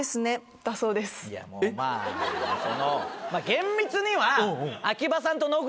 厳密には。